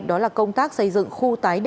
đó là công tác xây dựng khu tái điện